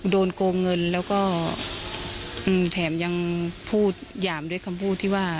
โดนโกงเงินและแถมยังถามย่ามด้วยคำพูดที่ว่า